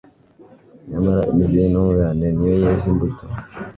nyamara imizi y'intungane ni yo yeza imbuto